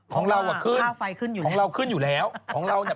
ของเราก็ขึ้นข้าวไฟขึ้นอยู่เนี่ยของเราขึ้นอยู่แล้วของเราเนี่ย